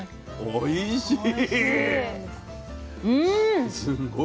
おいしい。